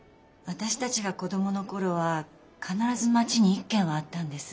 私たちが子どもの頃は必ず街に一軒はあったんです。